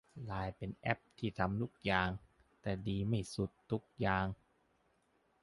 ไลน์เป็นแอปที่ทำทุกอย่าง แต่ดีไม่สุดทุกอย่าง